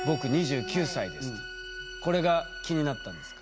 これが気になったんですか？